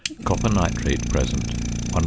Copper nitrate present 1.0 c.